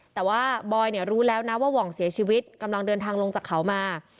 แต่ว่าบอยเนี่ยรู้แล้วนะว่าหว่องเสียชีวิตกำลังเดินทางลงจากเขามา